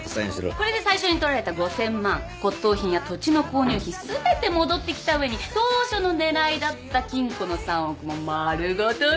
これで最初に取られた５，０００万骨董品や土地の購入費全て戻ってきた上に当初の狙いだった金庫の３億も丸ごといただきました！